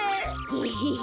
ヘヘヘ。